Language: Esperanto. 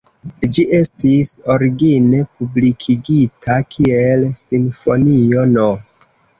Ĝi estis origine publikigita kiel "Simfonio No.